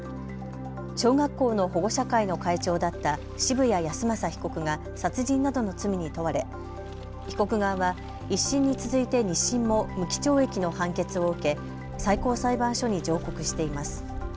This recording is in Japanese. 小学校の保護者会の会長だった澁谷恭正被告が殺人などの罪に問われ被告側は１審に続いて２審も無期懲役の判決を受け最高裁判所に上告しています。